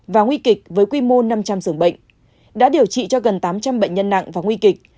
và nguy kịch với quy mô năm trăm linh giường bệnh đã điều trị cho gần tám trăm linh bệnh nhân nặng và nguy kịch